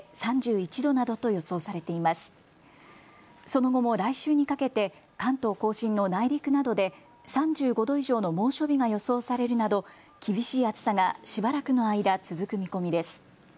その後も来週にかけて関東甲信の内陸などで３５度以上の猛暑日が予想されるなど厳しい暑さがしばらくの間、続く見込みです。